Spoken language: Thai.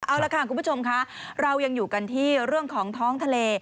เอาละค่ะคุณผู้ชมค่ะเรายังอยู่กันที่เรื่องของท้องทะเล